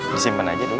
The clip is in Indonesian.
disimpan aja dulu